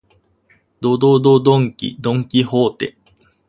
ど、ど、ど、ドンキ、ドンキホーテ